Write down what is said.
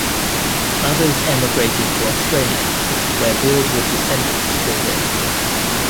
Others emigrated to Australia, where Broadwood descendants still live.